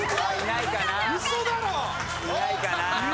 いないかな？